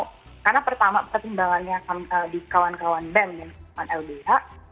karena pertama pertumbangannya di kawan kawan bem dan kawan ldh